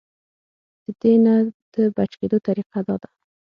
د دې نه د بچ کېدو طريقه دا ده -